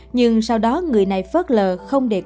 nhưng sau đó người này phớt lờ